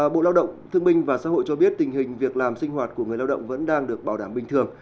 bộ lao động thương minh và xã hội cho biết tình hình việc làm sinh hoạt của người lao động vẫn đang được bảo đảm bình thường